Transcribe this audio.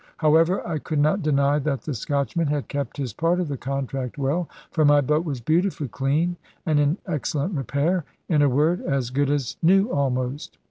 However, I could not deny that the Scotchman had kept his part of the contract well, for my boat was beautifully clean and in excellent repair; in a word, as good as new almost.